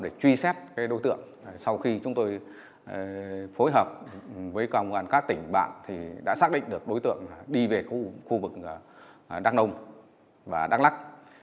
để truy xét đối tượng sau khi chúng tôi phối hợp với công an các tỉnh bạn thì đã xác định được đối tượng đi về khu vực đắk nông và đắk lắc